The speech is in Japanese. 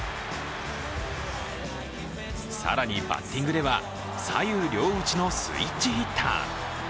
更に、バッティングでは左右両打ちのスイッチヒッター。